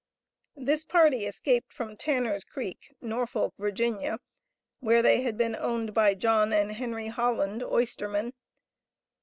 This party escaped from Tanner's Creek, Norfolk, Virginia, where they had been owned by John and Henry Holland, oystermen.